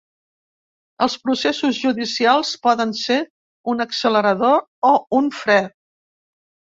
Els processos judicials poden ser un accelerador o un fre.